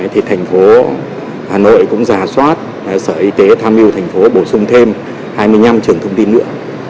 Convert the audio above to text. thì thành phố hà nội cũng giả soát sở y tế tham mưu thành phố bổ sung thêm hai mươi năm trường thông tin nữa